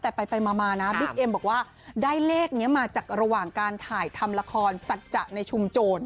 แต่ไปมานะบิ๊กเอ็มบอกว่าได้เลขนี้มาจากระหว่างการถ่ายทำละครสัจจะในชุมโจร